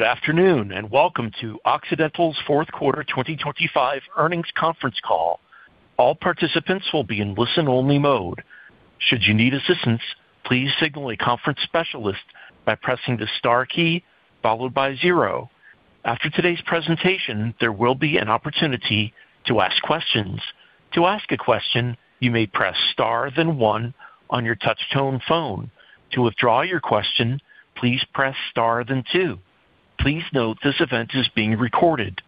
Good afternoon, and welcome to Occidental's fourth quarter 2025 earnings conference call. All participants will be in listen-only mode. Should you need assistance, please signal a conference specialist by pressing the star key followed by zero. After today's presentation, there will be an opportunity to ask questions. To ask a question, you may press star, then one on your touchtone phone. To withdraw your question, please press star, then two. Please note, this event is being recorded.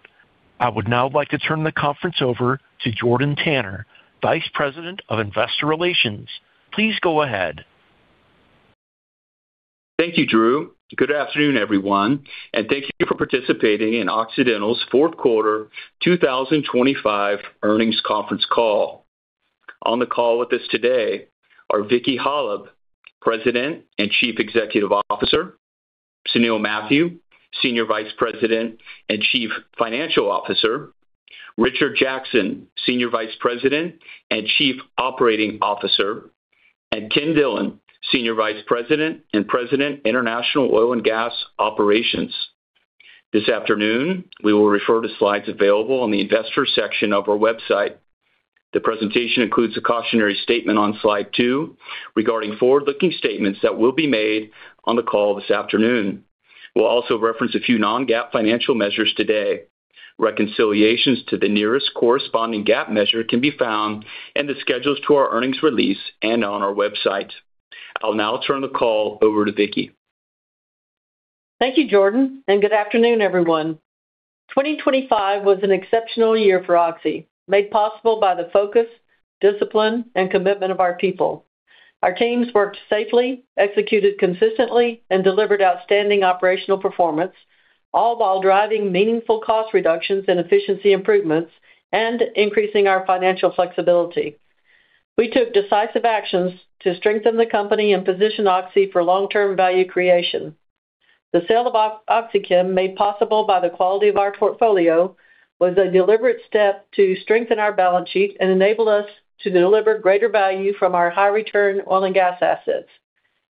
I would now like to turn the conference over to Jordan Tanner, Vice President of Investor Relations. Please go ahead. Thank you, Drew. Good afternoon, everyone, and thank you for participating in Occidental's fourth quarter 2025 earnings conference call. On the call with us today are Vicki Hollub, President and Chief Executive Officer, Sunil Mathew, Senior Vice President and Chief Financial Officer, Richard Jackson, Senior Vice President and Chief Operating Officer, and Ken Dillon, Senior Vice President and President, International Oil and Gas Operations. This afternoon, we will refer to slides available on the investor section of our website. The presentation includes a cautionary statement on slide 2 regarding forward-looking statements that will be made on the call this afternoon. We'll also reference a few Non-GAAP financial measures today. Reconciliations to the nearest corresponding GAAP measure can be found in the schedules to our earnings release and on our website. I'll now turn the call over to Vicki. Thank you, Jordan, and good afternoon, everyone. 2025 was an exceptional year for Oxy, made possible by the focus, discipline, and commitment of our people. Our teams worked safely, executed consistently, and delivered outstanding operational performance, all while driving meaningful cost reductions and efficiency improvements and increasing our financial flexibility. We took decisive actions to strengthen the company and position Oxy for long-term value creation. The sale of OxyChem, made possible by the quality of our portfolio, was a deliberate step to strengthen our balance sheet and enable us to deliver greater value from our high-return oil and gas assets.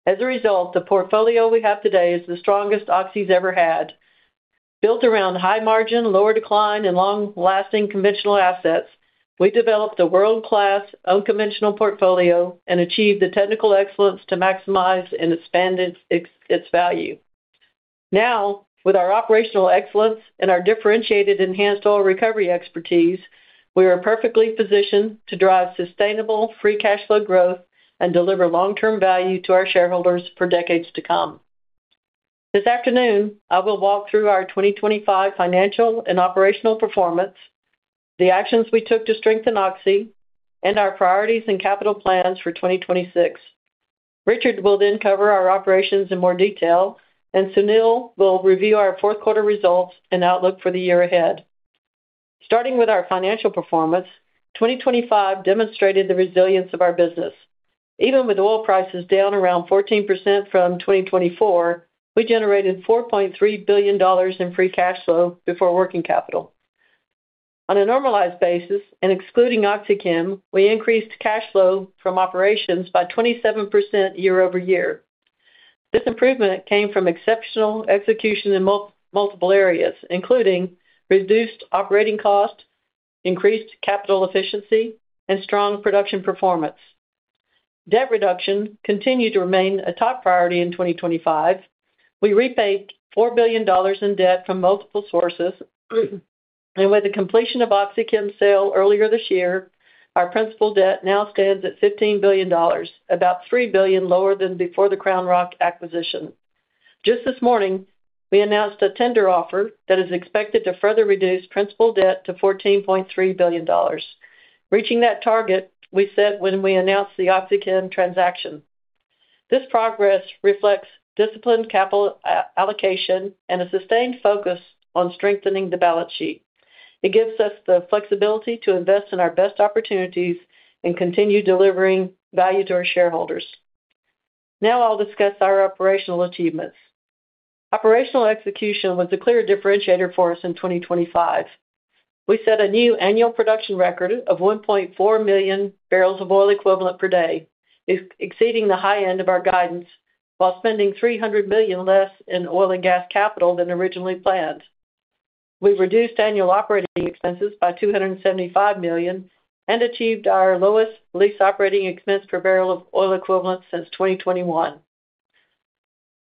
As a result, the portfolio we have today is the strongest Oxy's ever had. Built around high margin, lower decline, and long-lasting conventional assets, we developed a world-class unconventional portfolio and achieved the technical excellence to maximize and expand its value. Now, with our operational excellence and our differentiated enhanced oil recovery expertise, we are perfectly positioned to drive sustainable free cash flow growth and deliver long-term value to our shareholders for decades to come. This afternoon, I will walk through our 2025 financial and operational performance, the actions we took to strengthen Oxy, and our priorities and capital plans for 2026. Richard will then cover our operations in more detail, and Sunil will review our fourth quarter results and outlook for the year ahead. Starting with our financial performance, 2025 demonstrated the resilience of our business. Even with oil prices down around 14% from 2024, we generated $4.3 billion in free cash flow before working capital. On a normalized basis, and excluding OxyChem, we increased cash flow from operations by 27% year-over-year. This improvement came from exceptional execution in multiple areas, including reduced operating costs, increased capital efficiency, and strong production performance. Debt reduction continued to remain a top priority in 2025. We repaid $4 billion in debt from multiple sources, and with the completion of OxyChem's sale earlier this year, our principal debt now stands at $15 billion, about $3 billion lower than before the CrownRock acquisition. Just this morning, we announced a tender offer that is expected to further reduce principal debt to $14.3 billion, reaching that target we set when we announced the OxyChem transaction. This progress reflects disciplined capital allocation and a sustained focus on strengthening the balance sheet. It gives us the flexibility to invest in our best opportunities and continue delivering value to our shareholders. Now I'll discuss our operational achievements. Operational execution was a clear differentiator for us in 2025. We set a new annual production record of 1.4 million barrels of oil equivalent per day, exceeding the high end of our guidance, while spending $300 million less in oil and gas capital than originally planned. We've reduced annual operating expenses by $275 million and achieved our lowest lease operating expense per barrel of oil equivalent since 2021.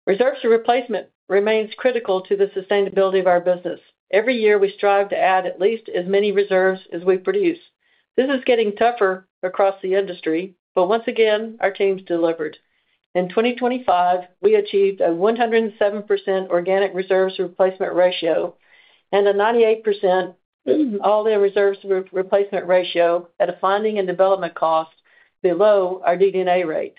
Reserves replacement remains critical to the sustainability of our business. Every year, we strive to add at least as many reserves as we produce. This is getting tougher across the industry, but once again, our teams delivered. In 2025, we achieved a 107% organic reserves replacement ratio and a 98% all-in reserves replacement ratio at a finding and development cost below our DD&A rate.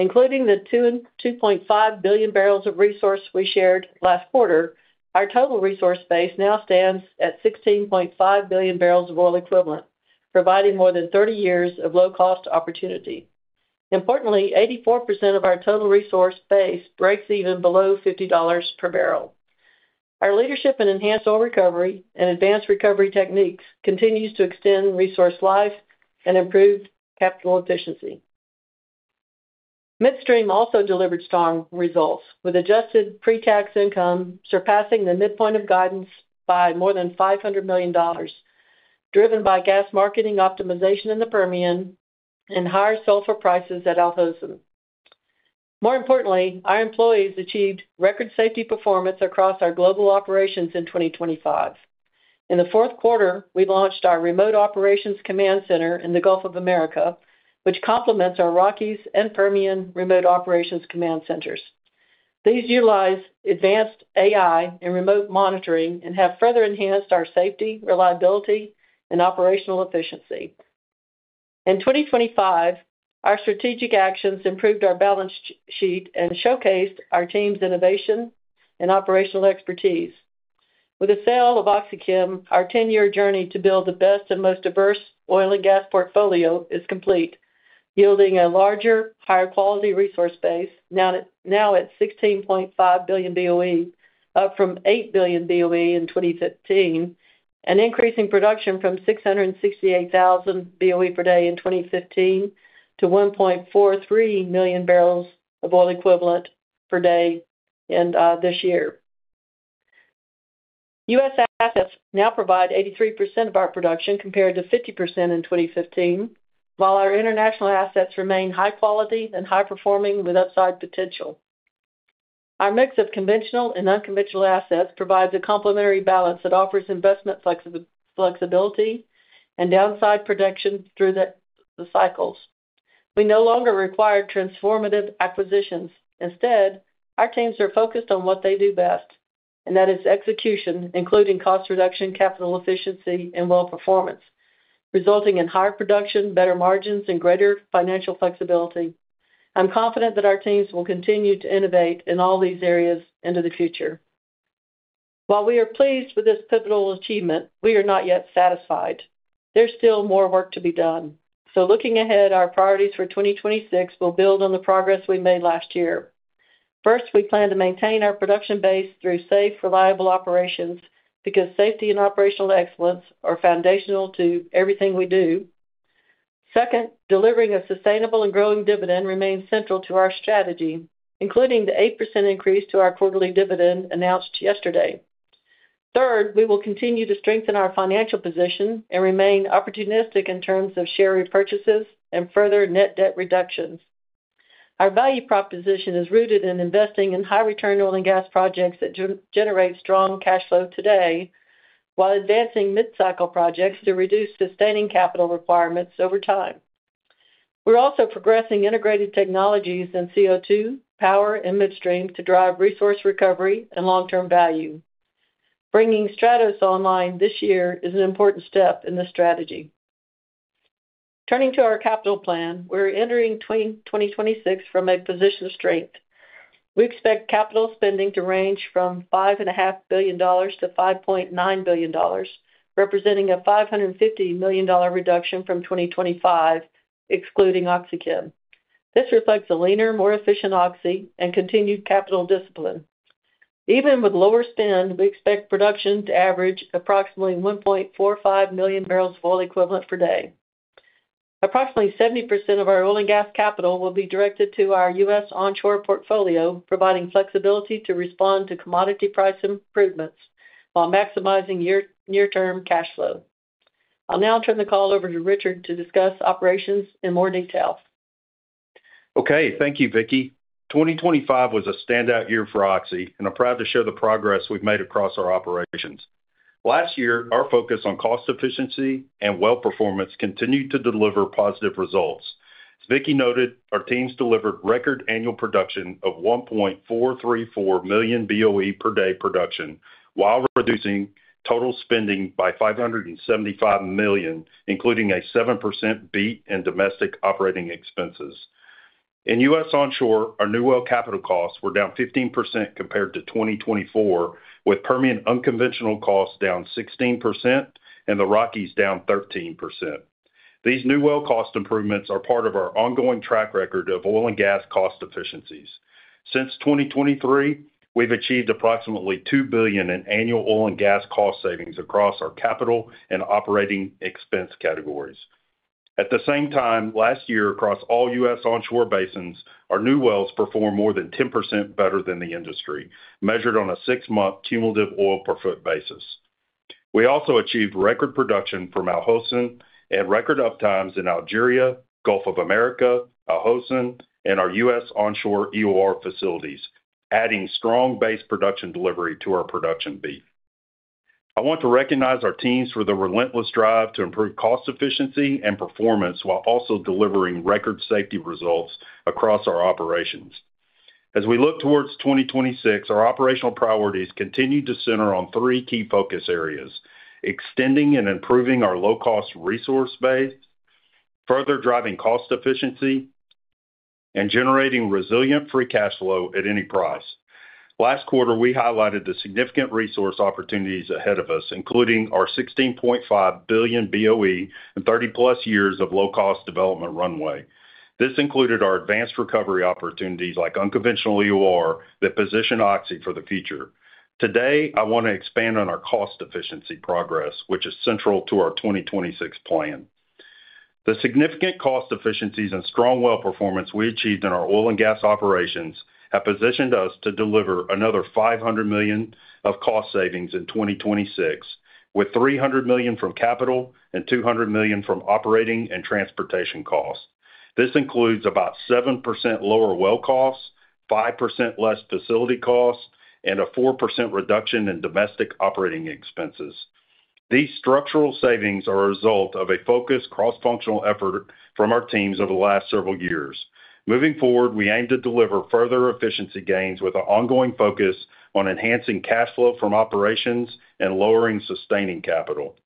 Including the 2.2 and 2.5 billion barrels of resource we shared last quarter, our total resource base now stands at 16.5 billion barrels of oil equivalent, providing more than 30 years of low-cost opportunity. Importantly, 84% of our total resource base breaks even below $50 per barrel. Our leadership in enhanced oil recovery and advanced recovery techniques continues to extend resource life and improve capital efficiency. Midstream also delivered strong results, with adjusted pretax income surpassing the midpoint of guidance by more than $500 million, driven by gas marketing optimization in the Permian and higher sulfur prices at Al Hosn. More importantly, our employees achieved record safety performance across our global operations in 2025. In the fourth quarter, we launched our remote operations command center in the Gulf of America, which complements our Rockies and Permian remote operations command centers. These utilize advanced AI and remote monitoring and have further enhanced our safety, reliability, and operational efficiency. In 2025, our strategic actions improved our balance sheet and showcased our team's innovation and operational expertise. With the sale of OxyChem, our ten-year journey to build the best and most diverse oil and gas portfolio is complete, yielding a larger, higher-quality resource base, now at, now at 16.5 billion BOE, up from 8 billion BOE in 2015, and increasing production from 668,000 BOE per day in 2015 to 1.43 million barrels of oil equivalent per day in this year. U.S. assets now provide 83% of our production, compared to 50% in 2015, while our international assets remain high quality and high performing with upside potential. Our mix of conventional and unconventional assets provides a complementary balance that offers investment flexibility and downside protection through the cycles. We no longer require transformative acquisitions. Instead, our teams are focused on what they do best, and that is execution, including cost reduction, capital efficiency, and well performance, resulting in higher production, better margins, and greater financial flexibility. I'm confident that our teams will continue to innovate in all these areas into the future. While we are pleased with this pivotal achievement, we are not yet satisfied. There's still more work to be done. So looking ahead, our priorities for 2026 will build on the progress we made last year. First, we plan to maintain our production base through safe, reliable operations, because safety and operational excellence are foundational to everything we do. Second, delivering a sustainable and growing dividend remains central to our strategy, including the 8% increase to our quarterly dividend announced yesterday. Third, we will continue to strengthen our financial position and remain opportunistic in terms of share repurchases and further net debt reductions. Our value proposition is rooted in investing in high-return oil and gas projects that generate strong cash flow today, while advancing mid-cycle projects to reduce sustaining capital requirements over time. We're also progressing integrated technologies in CO2, power, and midstream to drive resource recovery and long-term value. Bringing Stratos online this year is an important step in this strategy. Turning to our capital plan, we're entering 2026 from a position of strength. We expect capital spending to range from $5.5 billion-$5.9 billion, representing a $550 million reduction from 2025, excluding OxyChem. This reflects a leaner, more efficient Oxy and continued capital discipline. Even with lower spend, we expect production to average approximately 1.45 million barrels of oil equivalent per day. Approximately 70% of our oil and gas capital will be directed to our U.S. onshore portfolio, providing flexibility to respond to commodity price improvements while maximizing year near-term cash flow. I'll now turn the call over to Richard to discuss operations in more detail. Okay. Thank you, Vicki. 2025 was a standout year for Oxy, and I'm proud to share the progress we've made across our operations. Last year, our focus on cost efficiency and well performance continued to deliver positive results. As Vicki noted, our teams delivered record annual production of 1.434 million BOE per day, while reducing total spending by $575 million, including a 7% beat in domestic operating expenses. In U.S. onshore, our new well capital costs were down 15% compared to 2024, with Permian unconventional costs down 16% and the Rockies down 13%. These new well cost improvements are part of our ongoing track record of oil and gas cost efficiencies. Since 2023, we've achieved approximately $2 billion in annual oil and gas cost savings across our capital and operating expense categories. At the same time, last year, across all U.S. onshore basins, our new wells performed more than 10% better than the industry, measured on a six-month cumulative oil per foot basis. We also achieved record production from Al Hosn and record uptimes in Algeria, Gulf of America, Al Hosn, and our U.S. onshore EOR facilities, adding strong base production delivery to our production beat. I want to recognize our teams for their relentless drive to improve cost, efficiency, and performance, while also delivering record safety results across our operations. As we look towards 2026, our operational priorities continue to center on three key focus areas: extending and improving our low-cost resource base, further driving cost efficiency, and generating resilient free cash flow at any price. Last quarter, we highlighted the significant resource opportunities ahead of us, including our 16.5 billion BOE and 30+ years of low-cost development runway. This included our advanced recovery opportunities, like unconventional EOR, that position Oxy for the future. Today, I want to expand on our cost efficiency progress, which is central to our 2026 plan. The significant cost efficiencies and strong well performance we achieved in our oil and gas operations have positioned us to deliver another $500 million of cost savings in 2026, with $300 million from capital and $200 million from operating and transportation costs. This includes about 7% lower well costs, 5% less facility costs, and a 4% reduction in domestic operating expenses. These structural savings are a result of a focused cross-functional effort from our teams over the last several years. Moving forward, we aim to deliver further efficiency gains with an ongoing focus on enhancing cash flow from operations and lowering sustaining capital.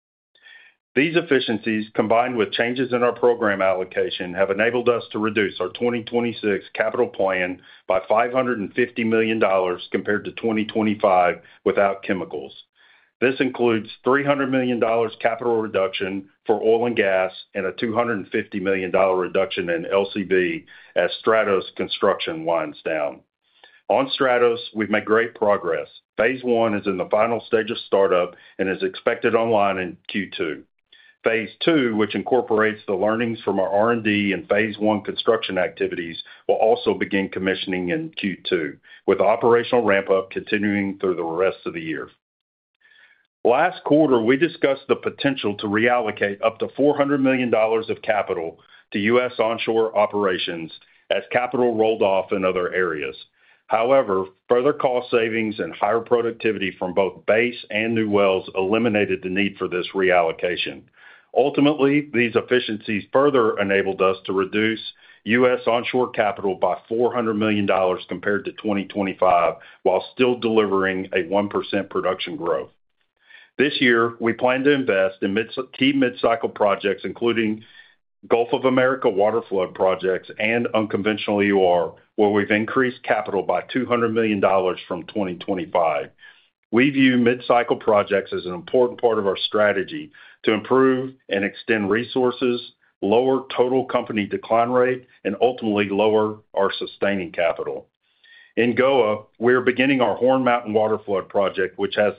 These efficiencies, combined with changes in our program allocation, have enabled us to reduce our 2026 capital plan by $550 million compared to 2025 without chemicals. This includes $300 million capital reduction for oil and gas, and a $250 million reduction in LCV as Stratos construction winds down. On Stratos, we've made great progress. Phase I is in the final stage of startup and is expected online in Q2. Phase II, which incorporates the learnings from our R&D and Phase I construction activities, will also begin commissioning in Q2, with operational ramp-up continuing through the rest of the year. Last quarter, we discussed the potential to reallocate up to $400 million of capital to U.S. onshore operations as capital rolled off in other areas. However, further cost savings and higher productivity from both base and new wells eliminated the need for this reallocation. Ultimately, these efficiencies further enabled us to reduce U.S. onshore capital by $400 million compared to 2025, while still delivering a 1% production growth. This year, we plan to invest in mid- key mid-cycle projects, including Gulf of America waterflood projects and unconventional EOR, where we've increased capital by $200 million from 2025. We view mid-cycle projects as an important part of our strategy to improve and extend resources, lower total company decline rate, and ultimately lower our sustaining capital. In GoA, we are beginning our Horn Mountain Waterflood Project, which has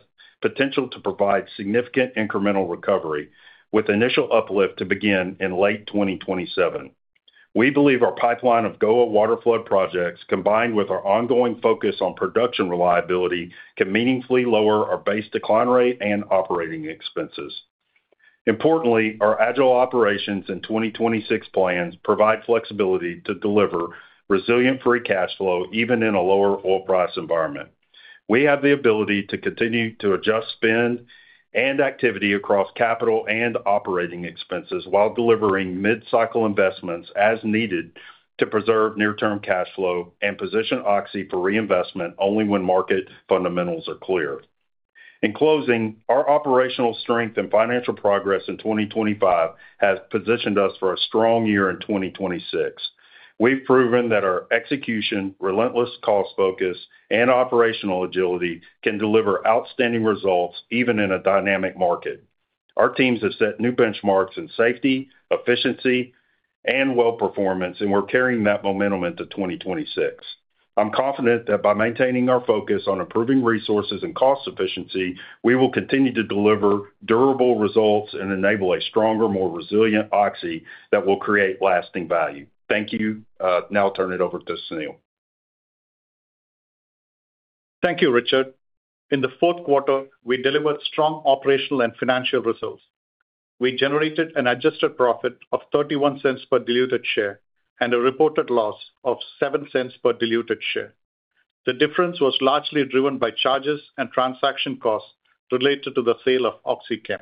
potential to provide significant incremental recovery, with initial uplift to begin in late 2027. We believe our pipeline of GoA waterflood projects, combined with our ongoing focus on production reliability, can meaningfully lower our base decline rate and operating expenses. Importantly, our agile operations in 2026 plans provide flexibility to deliver resilient free cash flow, even in a lower oil price environment. We have the ability to continue to adjust spend and activity across capital and operating expenses, while delivering mid-cycle investments as needed to preserve near-term cash flow and position Oxy for reinvestment only when market fundamentals are clear. In closing, our operational strength and financial progress in 2025 has positioned us for a strong year in 2026. We've proven that our execution, relentless cost focus, and operational agility can deliver outstanding results even in a dynamic market. Our teams have set new benchmarks in safety, efficiency, and well performance, and we're carrying that momentum into 2026. I'm confident that by maintaining our focus on improving resources and cost efficiency, we will continue to deliver durable results and enable a stronger, more resilient Oxy that will create lasting value. Thank you. Now I'll turn it over to Sunil. Thank you, Richard. In the fourth quarter, we delivered strong operational and financial results. We generated an adjusted profit of $0.31 per diluted share and a reported loss of $0.07 per diluted share. The difference was largely driven by charges and transaction costs related to the sale of OxyChem.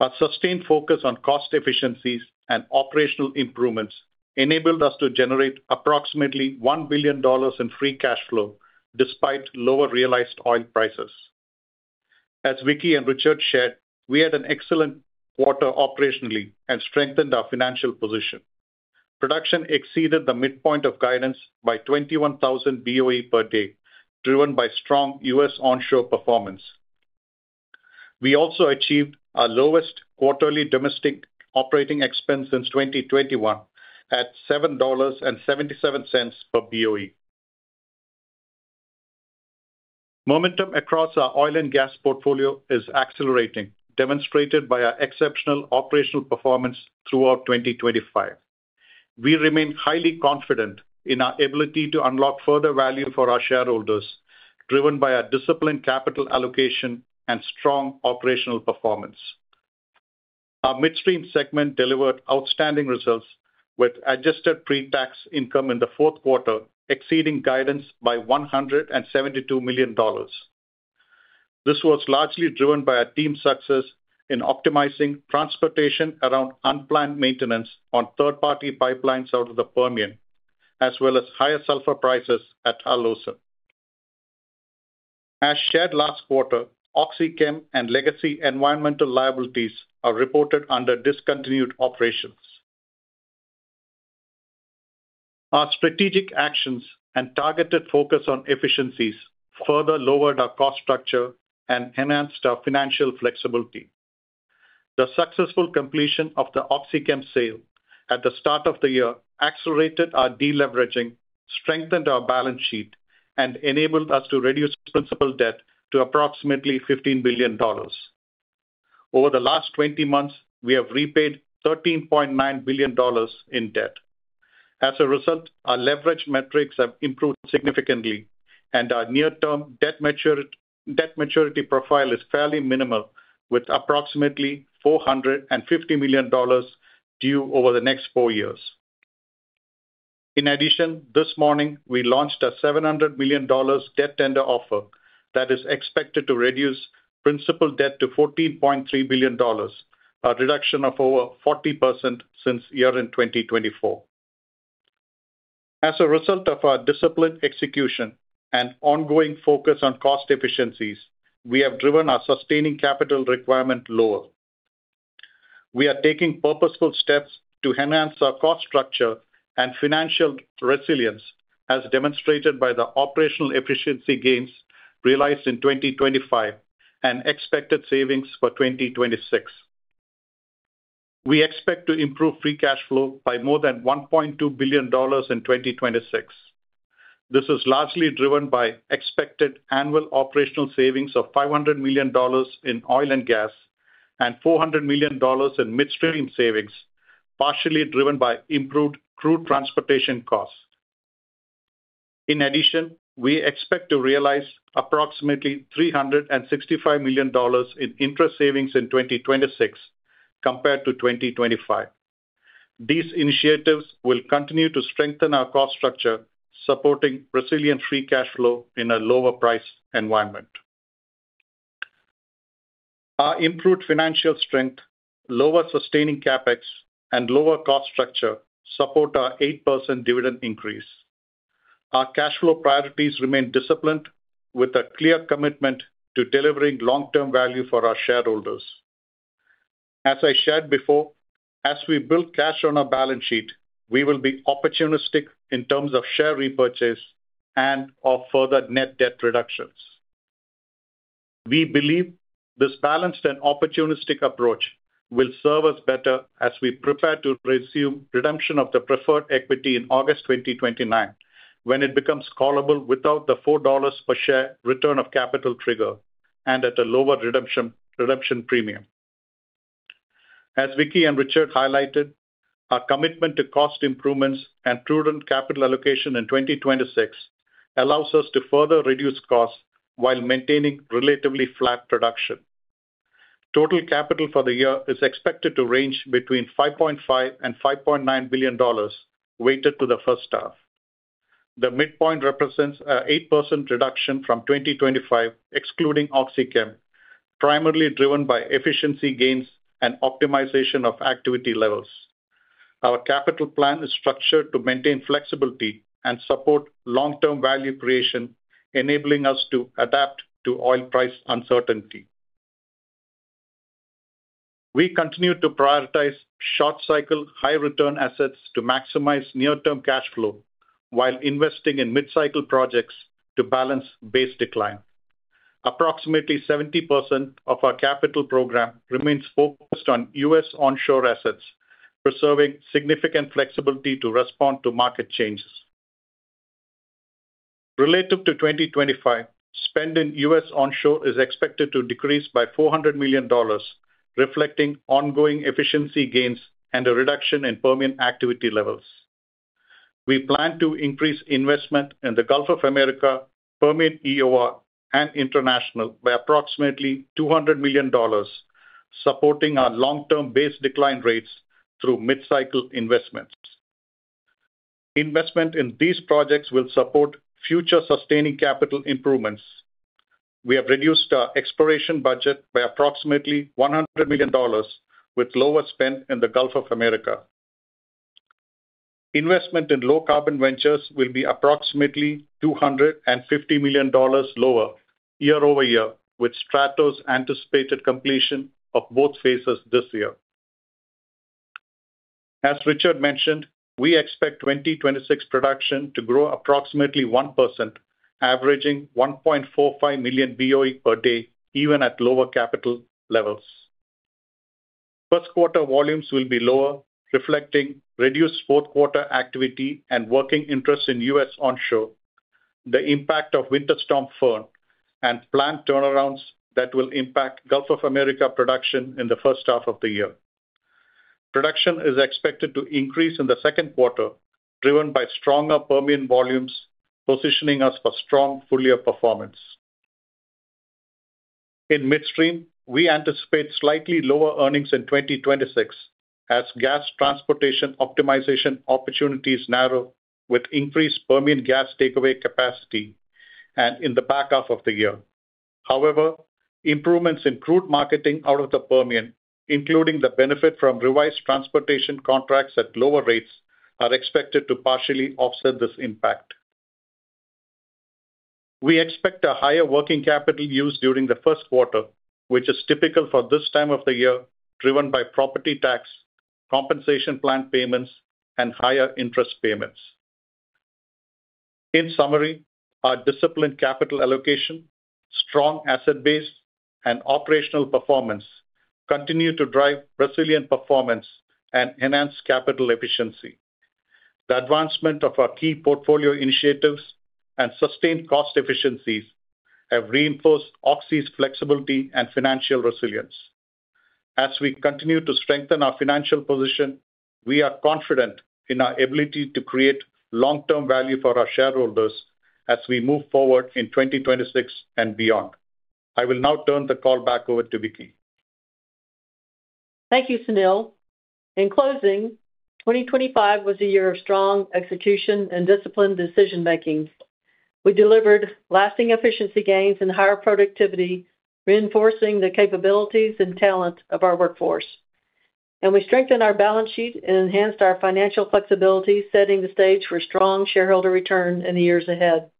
Our sustained focus on cost efficiencies and operational improvements enabled us to generate approximately $1 billion in free cash flow, despite lower realized oil prices. As Vicki and Richard shared, we had an excellent quarter operationally and strengthened our financial position. Production exceeded the midpoint of guidance by 21,000 BOE per day, driven by strong U.S. onshore performance. We also achieved our lowest quarterly domestic operating expense since 2021, at $7.77 per BOE. Momentum across our oil and gas portfolio is accelerating, demonstrated by our exceptional operational performance throughout 2025. We remain highly confident in our ability to unlock further value for our shareholders, driven by our disciplined capital allocation and strong operational performance. Our midstream segment delivered outstanding results, with adjusted pre-tax income in the fourth quarter exceeding guidance by $172 million. This was largely driven by our team's success in optimizing transportation around unplanned maintenance on third-party pipelines out of the Permian, as well as higher sulfur prices at Al Hosn. As shared last quarter, OxyChem and legacy environmental liabilities are reported under discontinued operations. Our strategic actions and targeted focus on efficiencies further lowered our cost structure and enhanced our financial flexibility. The successful completion of the OxyChem sale at the start of the year accelerated our deleveraging, strengthened our balance sheet and enabled us to reduce principal debt to approximately $15 billion. Over the last 20 months, we have repaid $13.9 billion in debt. As a result, our leverage metrics have improved significantly, and our near-term debt maturity, debt maturity profile is fairly minimal, with approximately $450 million due over the next four years. In addition, this morning, we launched a $700 million debt tender offer that is expected to reduce principal debt to $14.3 billion, a reduction of over 40% since year-end 2024. As a result of our disciplined execution and ongoing focus on cost efficiencies, we have driven our sustaining capital requirement lower. We are taking purposeful steps to enhance our cost structure and financial resilience, as demonstrated by the operational efficiency gains realized in 2025 and expected savings for 2026. We expect to improve free cash flow by more than $1.2 billion in 2026. This is largely driven by expected annual operational savings of $500 million in oil and gas, and $400 million in midstream savings, partially driven by improved crude transportation costs. In addition, we expect to realize approximately $365 million in interest savings in 2026 compared to 2025. These initiatives will continue to strengthen our cost structure, supporting resilient free cash flow in a lower price environment. Our improved financial strength, lower sustaining CapEx, and lower cost structure support our 8% dividend increase. Our cash flow priorities remain disciplined, with a clear commitment to delivering long-term value for our shareholders. As I shared before, as we build cash on our balance sheet, we will be opportunistic in terms of share repurchase and of further net debt reductions. We believe this balanced and opportunistic approach will serve us better as we prepare to resume redemption of the preferred equity in August 2029, when it becomes callable without the $4 per share return of capital trigger and at a lower redemption, redemption premium. As Vicki and Richard highlighted, our commitment to cost improvements and prudent capital allocation in 2026 allows us to further reduce costs while maintaining relatively flat production. Total capital for the year is expected to range between $5.5 billion and $5.9 billion, weighted to the first half. The midpoint represents an 8% reduction from 2025, excluding OxyChem, primarily driven by efficiency gains and optimization of activity levels. Our capital plan is structured to maintain flexibility and support long-term value creation, enabling us to adapt to oil price uncertainty. We continue to prioritize short-cycle, high-return assets to maximize near-term cash flow while investing in mid-cycle projects to balance base decline. Approximately 70% of our capital program remains focused on U.S. onshore assets, preserving significant flexibility to respond to market changes. Relative to 2025, spend in U.S. onshore is expected to decrease by $400 million, reflecting ongoing efficiency gains and a reduction in Permian activity levels. We plan to increase investment in the Gulf of America, Permian EOR, and International by approximately $200 million, supporting our long-term base decline rates through mid-cycle investments. Investment in these projects will support future sustaining capital improvements. We have reduced our exploration budget by approximately $100 million, with lower spend in the Gulf of America. Investment in low-carbon ventures will be approximately $250 million lower year-over-year, with Stratos anticipated completion of both phases this year. As Richard mentioned, we expect 2026 production to grow approximately 1%, averaging 1.45 million BOE per day, even at lower capital levels. First quarter volumes will be lower, reflecting reduced fourth quarter activity and working interest in U.S. onshore, the impact of Winter Storm Fern, and planned turnarounds that will impact Gulf of America production in the first half of the year. Production is expected to increase in the second quarter, driven by stronger Permian volumes, positioning us for strong full-year performance. In midstream, we anticipate slightly lower earnings in 2026 as gas transportation optimization opportunities narrow with increased Permian gas takeaway capacity and in the back half of the year. However, improvements in crude marketing out of the Permian, including the benefit from revised transportation contracts at lower rates, are expected to partially offset this impact. We expect a higher working capital use during the first quarter, which is typical for this time of the year, driven by property tax, compensation plan payments, and higher interest payments. In summary, our disciplined capital allocation, strong asset base and operational performance continue to drive resilient performance and enhance capital efficiency. The advancement of our key portfolio initiatives and sustained cost efficiencies have reinforced Oxy's flexibility and financial resilience. As we continue to strengthen our financial position, we are confident in our ability to create long-term value for our shareholders as we move forward in 2026 and beyond. I will now turn the call back over to Vicki. Thank you, Sunil. In closing, 2025 was a year of strong execution and disciplined decision making. We delivered lasting efficiency gains and higher productivity, reinforcing the capabilities and talent of our workforce. We strengthened our balance sheet and enhanced our financial flexibility, setting the stage for strong shareholder return in the years ahead.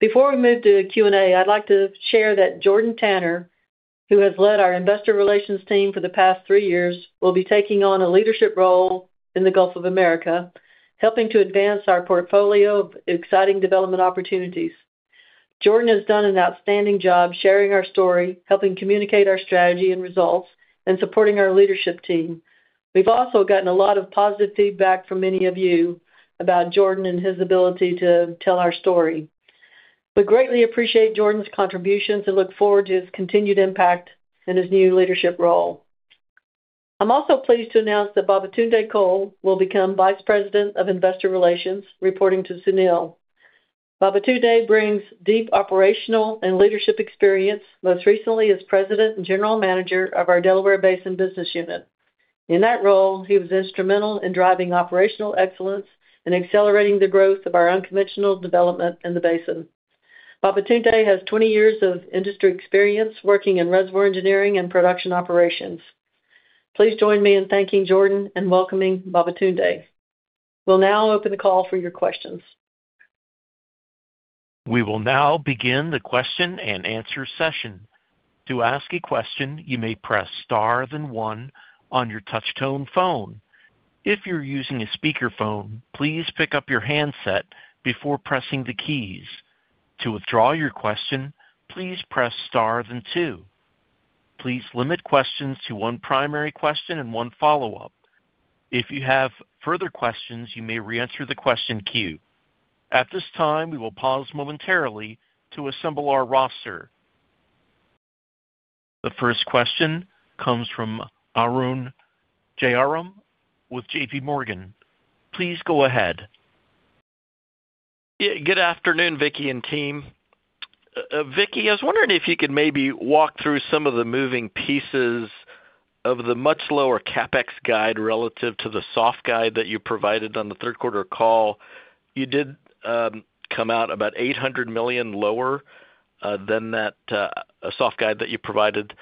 Before we move to Q&A, I'd like to share that Jordan Tanner, who has led our investor relations team for the past three years, will be taking on a leadership role in the Gulf of America, helping to advance our portfolio of exciting development opportunities. Jordan has done an outstanding job sharing our story, helping communicate our strategy and results, and supporting our leadership team. We've also gotten a lot of positive feedback from many of you about Jordan and his ability to tell our story. We greatly appreciate Jordan's contributions and look forward to his continued impact in his new leadership role. I'm also pleased to announce that Babatunde Cole will become Vice President of Investor Relations, reporting to Sunil. Babatunde brings deep operational and leadership experience, most recently as President and General Manager of our Delaware Basin business unit. In that role, he was instrumental in driving operational excellence and accelerating the growth of our unconventional development in the basin. Babatunde has 20 years of industry experience working in reservoir engineering and production operations. Please join me in thanking Jordan and welcoming Babatunde. We'll now open the call for your questions. We will now begin the question-and-answer session. To ask a question, you may press Star, then one on your touchtone phone. If you're using a speakerphone, please pick up your handset before pressing the keys. To withdraw your question, please press Star then two. Please limit questions to one primary question and one follow-up. If you have further questions, you may reenter the question queue. At this time, we will pause momentarily to assemble our roster. The first question comes from Arun Jayaram with JPMorgan. Please go ahead. Yeah, good afternoon, Vicki and team. Vicki, I was wondering if you could maybe walk through some of the moving pieces of the much lower CapEx guide relative to the soft guide that you provided on the third quarter call. You did come out about $800 million lower than that soft guide that you provided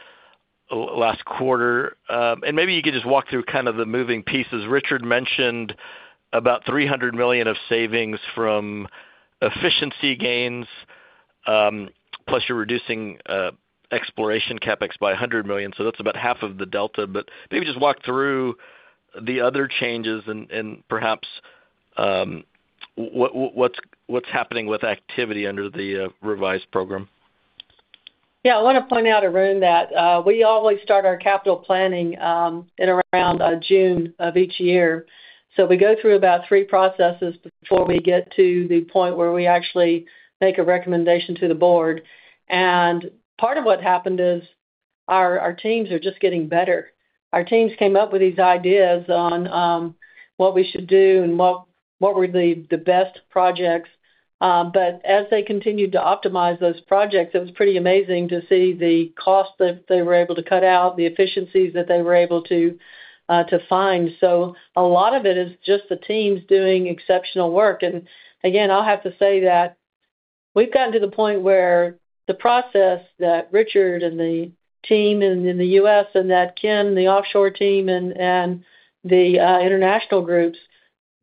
last quarter. And maybe you could just walk through kind of the moving pieces. Richard mentioned about $300 million of savings from efficiency gains, plus you're reducing exploration CapEx by $100 million. So that's about half of the delta. But maybe just walk through the other changes and perhaps what's happening with activity under the revised program. Yeah, I wanna point out, Arun, that we always start our capital planning in around June of each year. So we go through about three processes before we get to the point where we actually make a recommendation to the board. And part of what happened is our teams are just getting better. Our teams came up with these ideas on what we should do and what were the best projects. But as they continued to optimize those projects, it was pretty amazing to see the cost that they were able to cut out, the efficiencies that they were able to to find. So a lot of it is just the teams doing exceptional work. And again, I'll have to say that we've gotten to the point where the process that Richard and the team in the U.S. and that Ken, the offshore team and the international groups,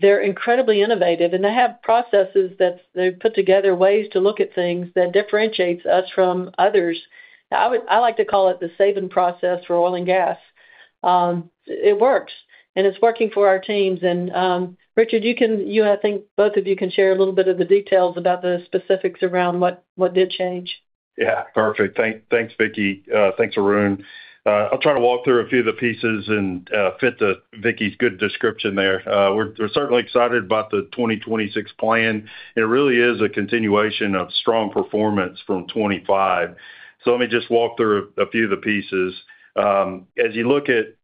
they're incredibly innovative, and they have processes that they've put together, ways to look at things that differentiates us from others. I would, I like to call it the saving process for oil and gas. It works, and it's working for our teams. And, Richard, you can... You, I think both of you can share a little bit of the details about the specifics around what, what did change. Yeah. Perfect. Thanks, Vicki. Thanks, Arun. I'll try to walk through a few of the pieces and fit to Vicki's good description there. We're certainly excited about the 2026 plan. It really is a continuation of strong performance from 2025. So let me just walk through a few of the pieces. As you look at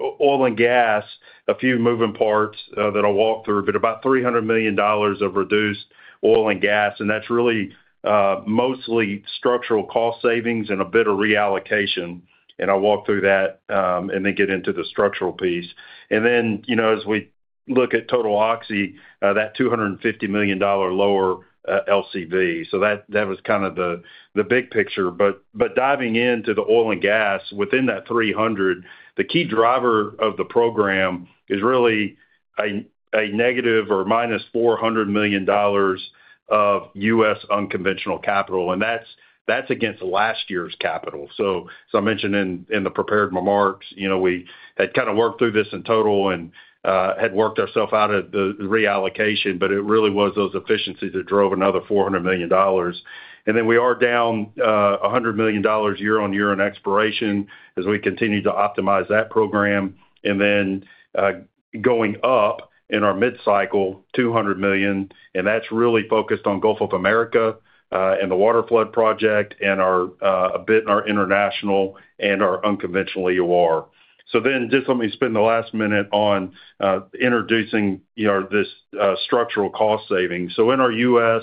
oil and gas, a few moving parts that I'll walk through, but about $300 million of reduced oil and gas, and that's really mostly structural cost savings and a bit of reallocation. And I'll walk through that, and then get into the structural piece. And then, you know, as we look at Total Oxy, that $250 million lower LCV. So that was kind of the big picture. But diving into the oil and gas within that 300, the key driver of the program is really a negative or minus $400 million of U.S. unconventional capital, and that's against last year's capital. So I mentioned in the prepared remarks, you know, we had kind of worked through this in total and had worked ourselves out of the reallocation, but it really was those efficiencies that drove another $400 million. And then we are down a $100 million year-on-year in exploration as we continue to optimize that program. And then going up in our mid-cycle $200 million, and that's really focused on Gulf of America and the waterflood project and a bit in our international and our unconventional EOR. Then just let me spend the last minute on introducing, you know, this structural cost savings. In our U.S.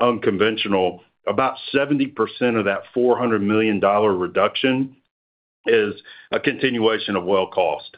unconventional, about 70% of that $400 million reduction is a continuation of well cost.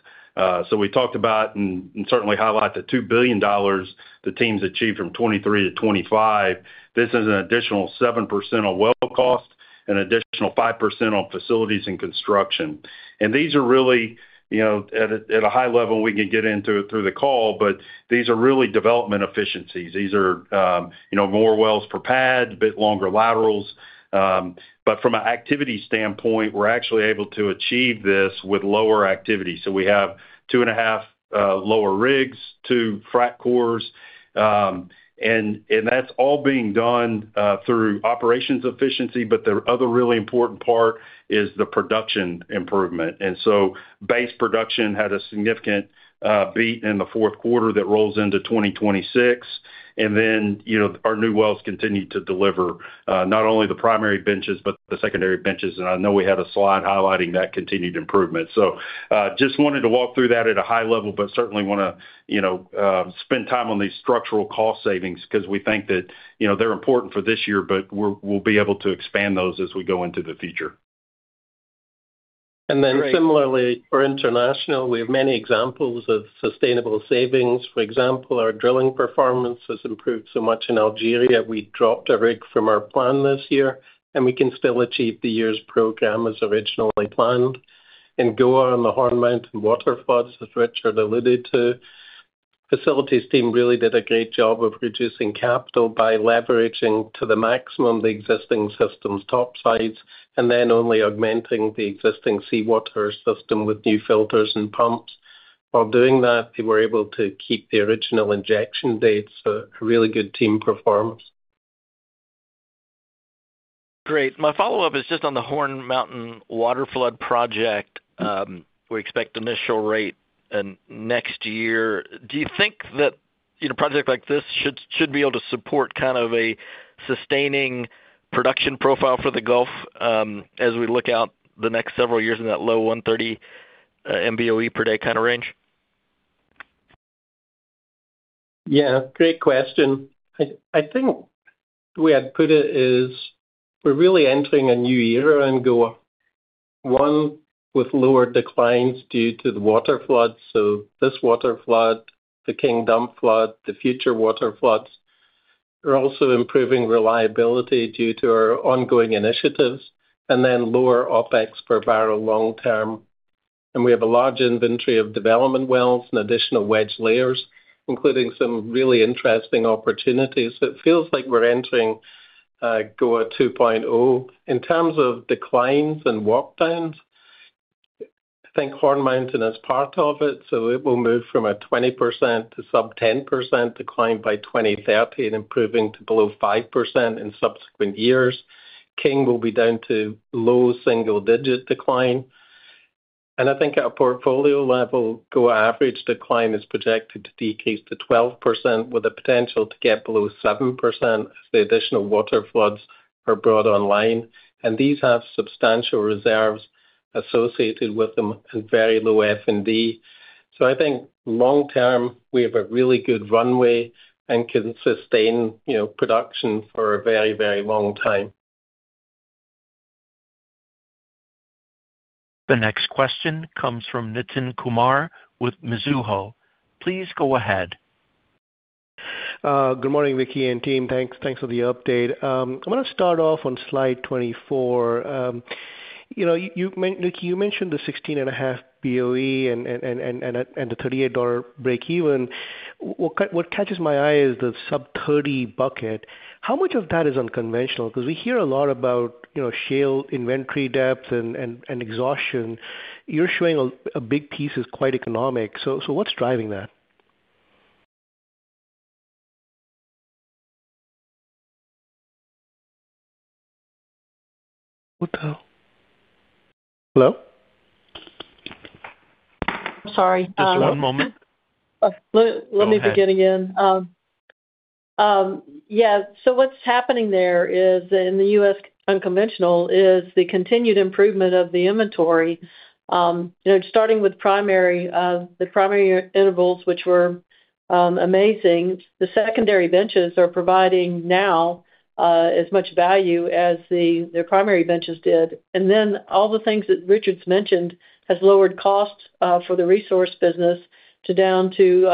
We talked about and, and certainly highlight the $2 billion the teams achieved from 2023 to 2025. This is an additional 7% on well cost, an additional 5% on facilities and construction. And these are really, you know, at a high level, we can get into it through the call, but these are really development efficiencies. These are, you know, more wells per pad, a bit longer laterals. But from an activity standpoint, we're actually able to achieve this with lower activity. So we have 2.5 fewer rigs, two frac crews, and that's all being done through operations efficiency. But the other really important part is the production improvement. And so base production had a significant beat in the fourth quarter that rolls into 2026. And then, you know, our new wells continued to deliver not only the primary benches, but the secondary benches. And I know we had a slide highlighting that continued improvement. So just wanted to walk through that at a high level, but certainly wanna, you know, spend time on these structural cost savings because we think that, you know, they're important for this year, but we'll be able to expand those as we go into the future. And then similarly, for international, we have many examples of sustainable savings. For example, our drilling performance has improved so much in Algeria. We dropped a rig from our plan this year, and we can still achieve the year's program as originally planned. In GoA, on the Horn Mountain waterfloods, as Richard alluded to, facilities team really did a great job of reducing capital by leveraging to the maximum the existing system's topsides, and then only augmenting the existing seawater system with new filters and pumps. While doing that, they were able to keep the original injection dates. So a really good team performance. Great. My follow-up is just on the Horn Mountain waterflood project. We expect initial rate in next year. Do you think that, you know, a project like this should, should be able to support kind of a sustaining production profile for the Gulf, as we look out the next several years in that low 130 MBOE per day kind of range? Yeah, great question. I think we had put it as we're really entering a new era in GoA, one with lower declines due to the waterfloods. So this waterflood, the King Dome flood, the future waterfloods, are also improving reliability due to our ongoing initiatives, and then lower OpEx per barrel long term. And we have a large inventory of development wells and additional wedge layers, including some really interesting opportunities. So it feels like we're entering GoA 2.0. In terms of declines and workdowns, I think Horn Mountain is part of it, so it will move from 20% to sub-10% decline by 2030, improving to below 5% in subsequent years. King will be down to low single-digit decline. I think at a portfolio level, GoA average decline is projected to decrease to 12%, with the potential to get below 7% as the additional waterfloods are brought online. These have substantial reserves associated with them and very low F&D. I think long term, we have a really good runway and can sustain, you know, production for a very, very long time. The next question comes from Nitin Kumar with Mizuho. Please go ahead. Good morning, Vicki and team. Thanks, thanks for the update. I'm gonna start off on slide 24. You know, Vicki, you mentioned the 16.5 BOE and the $38 breakeven. What catches my eye is the sub-30 bucket. How much of that is unconventional? Because we hear a lot about, you know, shale inventory depth and exhaustion. You're showing a big piece is quite economic. So what's driving that? What the... Hello? Sorry, um- Just one moment. Let me begin again. Yeah, so what's happening there is, in the U.S. unconventional, is the continued improvement of the inventory, you know, starting with primary, the primary intervals, which were amazing. The secondary benches are providing now, as much value as the primary benches did. And then all the things that Richard's mentioned has lowered costs, for the resource business down to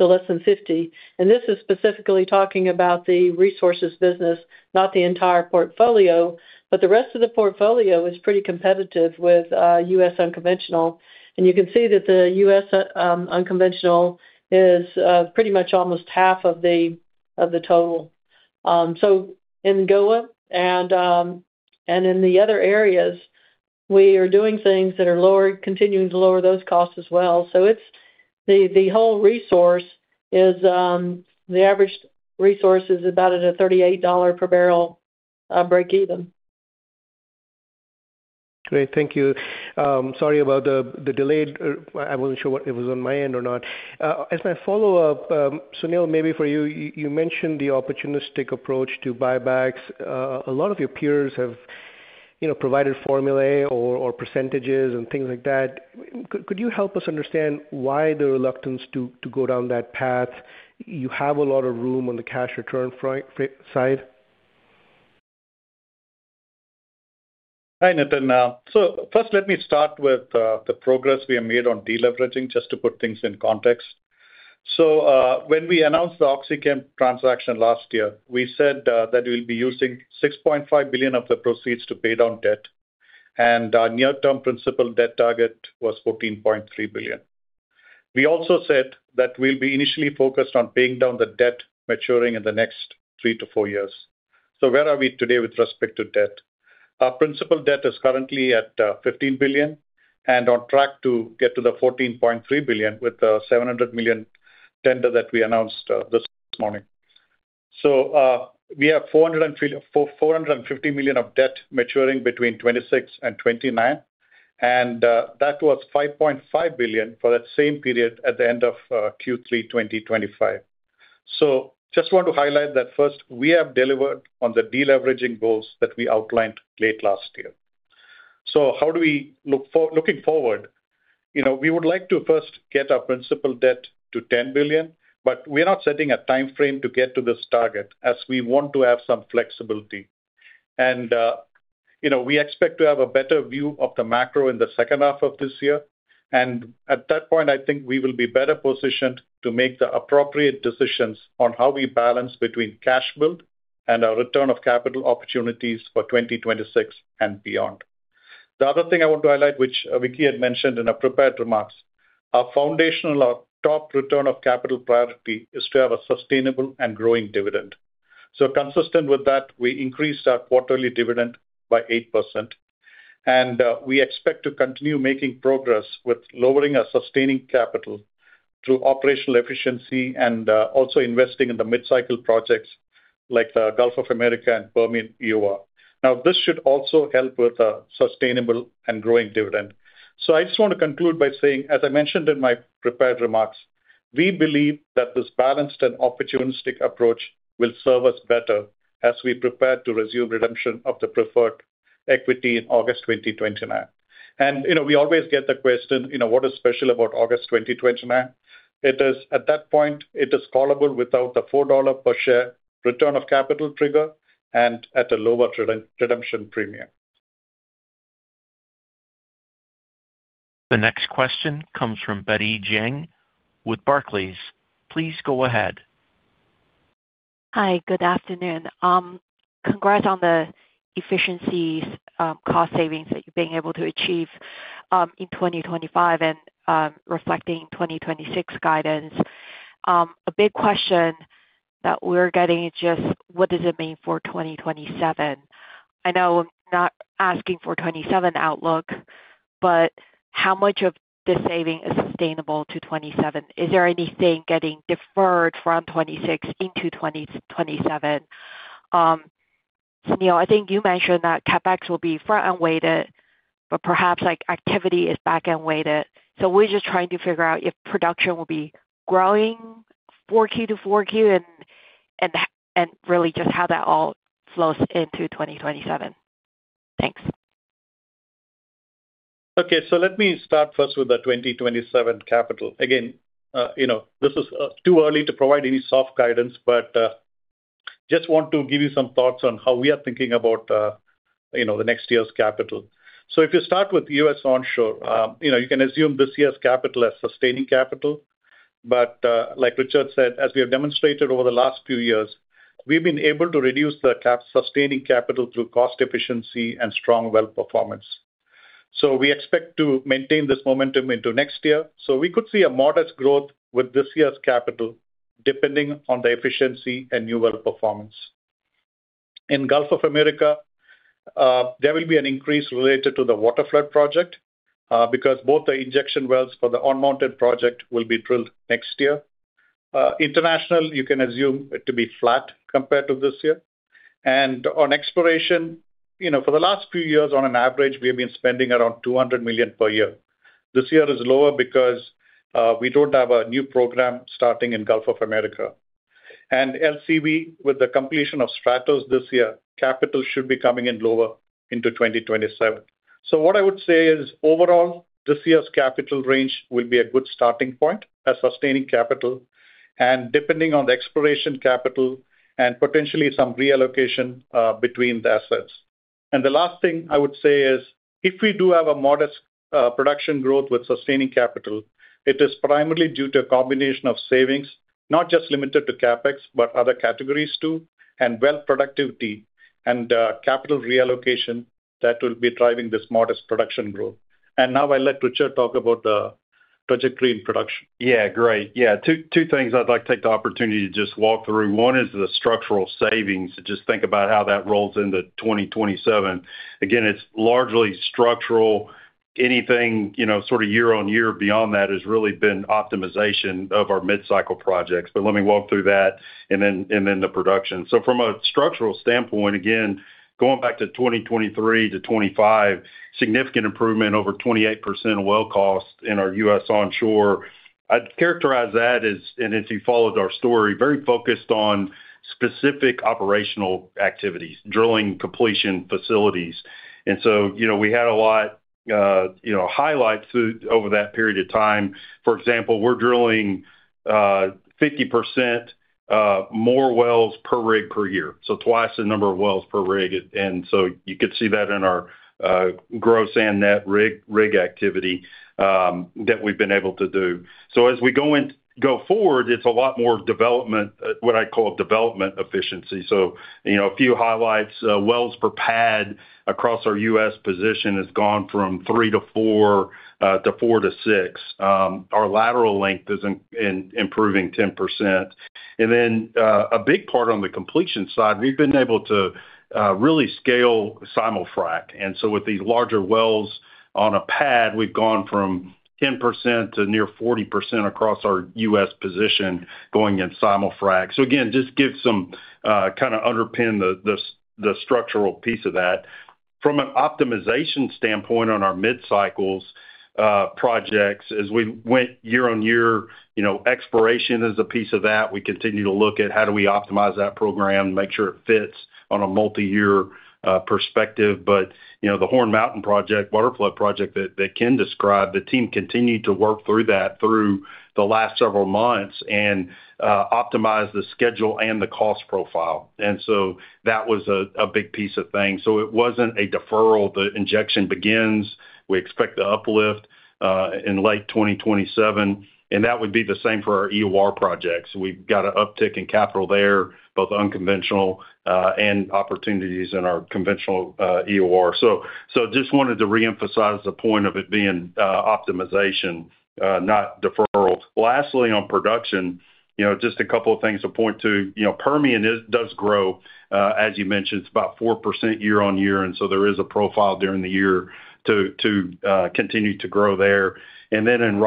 less than $50. And this is specifically talking about the resources business, not the entire portfolio. But the rest of the portfolio is pretty competitive with U.S. unconventional. And you can see that the U.S. unconventional is pretty much almost half of the total. So in GoA and in the other areas, we are doing things that are lower, continuing to lower those costs as well. So it's the whole resource is the average resource is about at a $38 per barrel break even. Great, thank you. Sorry about the delay. I wasn't sure if it was on my end or not. As my follow-up, Sunil, maybe for you, you mentioned the opportunistic approach to buybacks. A lot of your peers have, you know, provided formulae or percentages and things like that. Could you help us understand why the reluctance to go down that path? You have a lot of room on the cash return front side. Hi, Nitin. So first let me start with the progress we have made on deleveraging, just to put things in context. So, when we announced the OxyChem transaction last year, we said that we'll be using $6.5 billion of the proceeds to pay down debt, and our near-term principal debt target was $14.3 billion. We also said that we'll be initially focused on paying down the debt maturing in the next 3-4 years. So where are we today with respect to debt? Our principal debt is currently at $15 billion and on track to get to the $14.3 billion with the $700 million tender that we announced this morning. So, we have 450, 450 million of debt maturing between 2026 and 2029, and, that was $5.5 billion for that same period at the end of, Q3 2025. So just want to highlight that first, we have delivered on the deleveraging goals that we outlined late last year. So how do we look for-- looking forward, you know, we would like to first get our principal debt to $10 billion, but we are not setting a timeframe to get to this target, as we want to have some flexibility. And, you know, we expect to have a better view of the macro in the second half of this year. At that point, I think we will be better positioned to make the appropriate decisions on how we balance between cash build and our return of capital opportunities for 2026 and beyond. The other thing I want to highlight, which Vicki had mentioned in her prepared remarks, our foundational, our top return of capital priority, is to have a sustainable and growing dividend. Consistent with that, we increased our quarterly dividend by 8%, and we expect to continue making progress with lowering our sustaining capital through operational efficiency and also investing in the mid-cycle projects like the Gulf of America and Permian EOR. Now, this should also help with a sustainable and growing dividend. So I just want to conclude by saying, as I mentioned in my prepared remarks, we believe that this balanced and opportunistic approach will serve us better as we prepare to resume redemption of the preferred equity in August 2029. And, you know, we always get the question, you know, what is special about August 2029? It is, at that point, it is callable without the $4 per share return of capital trigger and at a lower redemption premium. The next question comes from Betty Jiang with Barclays. Please go ahead. Hi, good afternoon. Congrats on the efficiencies, cost savings that you're being able to achieve, in 2025 and, reflecting 2026 guidance. A big question that we're getting is just what does it mean for 2027? I know I'm not asking for 2027 outlook, but how much of this saving is sustainable to 2027? Is there anything getting deferred from 2026 into 2027? Sunil, I think you mentioned that CapEx will be front-end weighted, but perhaps like activity is back-end weighted. So we're just trying to figure out if production will be growing 4Q to 4Q and really just how that all flows into 2027. Thanks. Okay. So let me start first with the 2027 capital. Again, you know, this is too early to provide any soft guidance, but just want to give you some thoughts on how we are thinking about, you know, the next year's capital. So if you start with U.S. onshore, you know, you can assume this year's capital as sustaining capital. But, like Richard said, as we have demonstrated over the last few years, we've been able to reduce the sustaining capital through cost efficiency and strong well performance. So we expect to maintain this momentum into next year. So we could see a modest growth with this year's capital, depending on the efficiency and new well performance. In Gulf of America, there will be an increase related to the Waterflood project, because both the injection wells for the Horn Mountain project will be drilled next year. International, you can assume it to be flat compared to this year. And on exploration, you know, for the last few years, on an average, we have been spending around $200 million per year. This year is lower because we don't have a new program starting in Gulf of America. And LCV, with the completion of Stratos this year, capital should be coming in lower into 2027. So what I would say is, overall, this year's capital range will be a good starting point as sustaining capital, and depending on the exploration capital and potentially some reallocation, between the assets. The last thing I would say is, if we do have a modest production growth with sustaining capital, it is primarily due to a combination of savings, not just limited to CapEx, but other categories, too, and well productivity and capital reallocation that will be driving this modest production growth. Now I let Richard talk about the trajectory in production. Yeah, great. Yeah, two things I'd like to take the opportunity to just walk through. One is the structural savings, to just think about how that rolls into 2027. Again, it's largely structural. Anything, you know, sort of year-on-year beyond that has really been optimization of our mid-cycle projects. But let me walk through that and then, and then the production. So from a structural standpoint, again, going back to 2023 to 2025, significant improvement, over 28% well cost in our U.S. onshore. I'd characterize that as, and as you followed our story, very focused on specific operational activities, drilling, completion, facilities. And so, you know, we had a lot, you know, highlights over that period of time. For example, we're drilling 50%, more wells per rig per year, so twice the number of wells per rig. You could see that in our gross and net rig activity that we've been able to do. As we go forward, it's a lot more development, what I call development efficiency. You know, a few highlights: wells per pad across our U.S. position has gone from 3-4 to 4-6. Our lateral length is improving 10%. A big part on the completion side, we've been able to really scale simulfrac. With these larger wells on a pad, we've gone from 10% to near 40% across our U.S. position going in simulfrac. Again, just to kind of underpin the structural piece of that. From an optimization standpoint on our mid-cycles projects, as we went year on year, you know, exploration is a piece of that. We continue to look at how do we optimize that program, make sure it fits on a multiyear perspective. But, you know, the Horn Mountain project, Waterflood project that Ken described, the team continued to work through that the last several months and optimize the schedule and the cost profile. And so that was a big piece of things. So it wasn't a deferral. The injection begins. We expect the uplift in late 2027, and that would be the same for our EOR projects. We've got an uptick in capital there, both unconventional and opportunities in our conventional EOR. So just wanted to reemphasize the point of it being optimization not deferral. Lastly, on production, you know, just a couple of things to point to. You know, Permian does grow, as you mentioned, it's about 4% year-on-year, and so there is a profile during the year to continue to grow there. And then in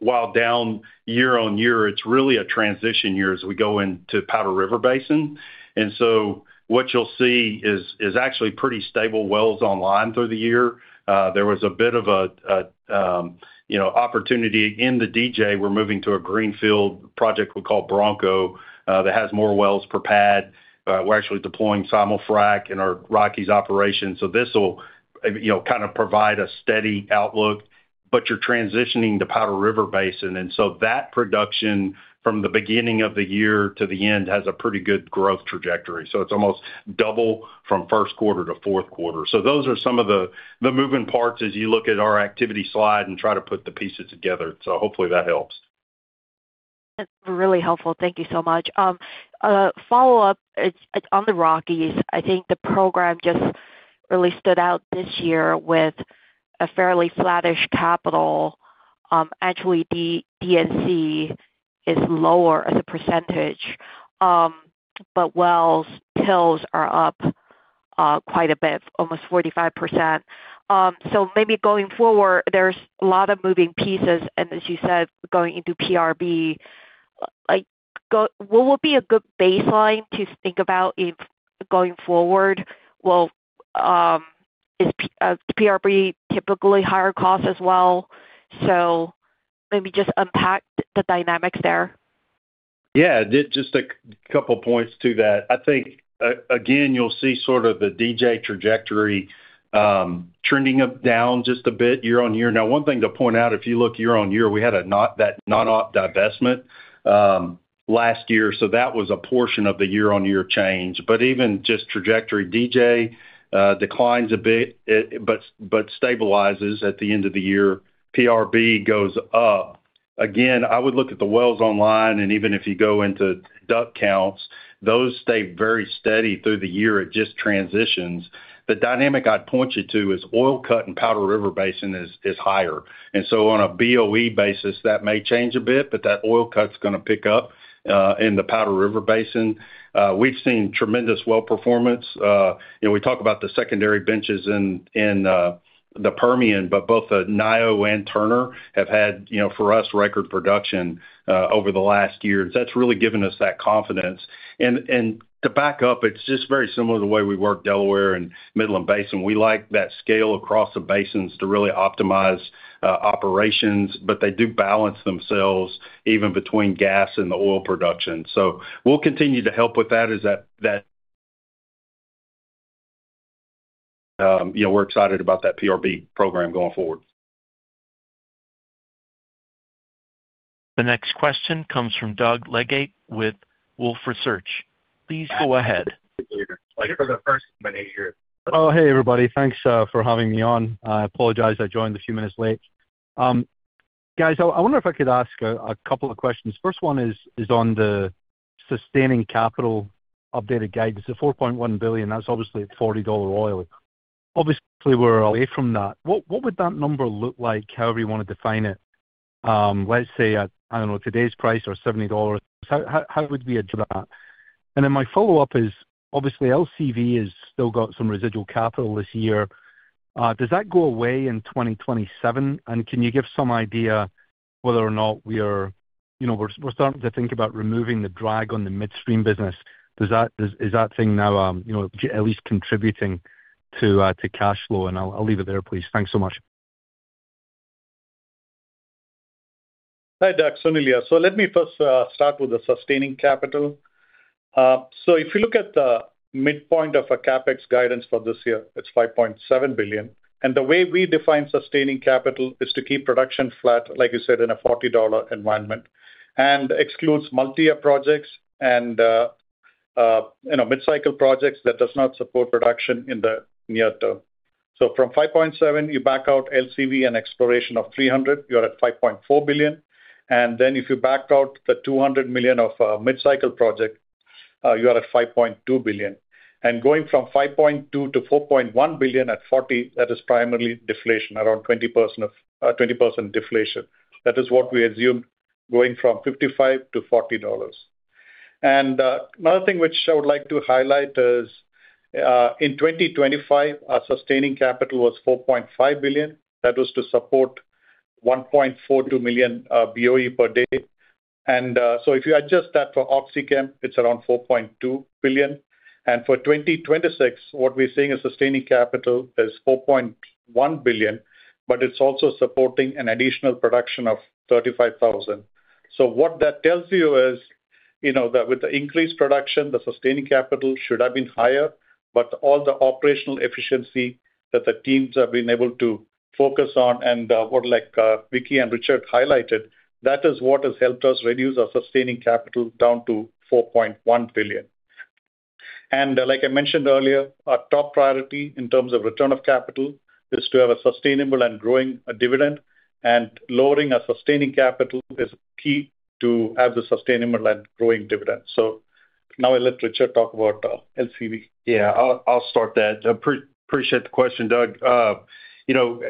Rockies, while down year-on-year, it's really a transition year as we go into Powder River Basin. And so what you'll see is actually pretty stable wells online through the year. There was a bit of a you know, opportunity in the DJ. We're moving to a greenfield project we call Bronco, that has more wells per pad. We're actually deploying Simulfrac in our Rockies operations, so this will, you know, kind of provide a steady outlook. But you're transitioning to Powder River Basin, and so that production from the beginning of the year to the end has a pretty good growth trajectory. So it's almost double from first quarter to fourth quarter. So those are some of the moving parts as you look at our activity slide and try to put the pieces together. So hopefully that helps. That's really helpful. Thank you so much. Follow-up, it's on the Rockies. I think the program just really stood out this year with a fairly flattish capital. Actually, the DD&A is lower as a percentage, but well, wells are up quite a bit, almost 45%. So maybe going forward, there's a lot of moving pieces, and as you said, going into PRB, like, what would be a good baseline to think about going forward? Well, is PRB typically higher cost as well? So maybe just unpack the dynamics there. Yeah, just a couple points to that. I think, again, you'll see sort of the DJ trajectory, trending up down just a bit year-on-year. Now, one thing to point out, if you look year-on-year, we had a non-op divestment last year, so that was a portion of the year-on-year change. But even just trajectory, DJ, declines a bit, but stabilizes at the end of the year. PRB goes up. Again, I would look at the wells online, and even if you go into rig counts, those stay very steady through the year. It just transitions. The dynamic I'd point you to is oil cut in Powder River Basin is higher. And so on a BOE basis, that may change a bit, but that oil cut's gonna pick up in the Powder River Basin. We've seen tremendous well performance. You know, we talk about the secondary benches in the Permian, but both the Nio and Turner have had, you know, for us, record production over the last year. That's really given us that confidence. And to back up, it's just very similar to the way we work Delaware and Midland Basin. We like that scale across the basins to really optimize operations, but they do balance themselves even between gas and the oil production. So we'll continue to help with that, you know, we're excited about that PRB program going forward. The next question comes from Doug Leggate with Wolfe Research. Please go ahead. Oh, hey, everybody. Thanks for having me on. I apologize, I joined a few minutes late. Guys, I wonder if I could ask a couple of questions. First one is on the sustaining capital updated guidance, the $4.1 billion. That's obviously at $40 oil. Obviously, we're away from that. What would that number look like, however you wanna define it, let's say at, I don't know, today's price or $70? How would we adjust that? And then my follow-up is: obviously, LCV has still got some residual capital this year. Does that go away in 2027? And can you give some idea whether or not we are - you know, we're starting to think about removing the drag on the midstream business. Is that thing now, you know, at least contributing to cash flow? And I'll leave it there, please. Thanks so much. Hi, Doug, Sunil here. So let me first start with the sustaining capital. So if you look at the midpoint of our CapEx guidance for this year, it's $5.7 billion. And the way we define sustaining capital is to keep production flat, like you said, in a $40 environment, and excludes multi-year projects and, you know, mid-cycle projects that does not support production in the near term. So from $5.7 billion, you back out LCV and exploration of $300 million, you're at $5.4 billion. And then if you backed out the $200 million of mid-cycle project, you are at $5.2 billion. And going from $5.2 billion to $4.1 billion at $40, that is primarily deflation, around 20% of-- 20% deflation. That is what we assumed going from $55-$40. Another thing which I would like to highlight is, in 2025, our sustaining capital was $4.5 billion. That was to support 1.42 million BOE per day. So if you adjust that for OxyChem, it's around $4.2 billion. For 2026, what we're seeing as sustaining capital is $4.1 billion, but it's also supporting an additional production of 35,000. So what that tells you is, you know, that with the increased production, the sustaining capital should have been higher, but all the operational efficiency that the teams have been able to focus on and what, like, Vicki and Richard highlighted, that is what has helped us reduce our sustaining capital down to $4.1 billion. And, like I mentioned earlier, our top priority in terms of return of capital is to have a sustainable and growing dividend, and lowering our sustaining capital is key to have the sustainable and growing dividend. So now I let Richard talk about LCV. Yeah, I'll start that. Appreciate the question, Doug. You know,